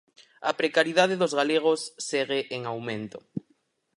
A precariedade dos galegos segue en aumento.